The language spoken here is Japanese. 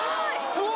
うわ！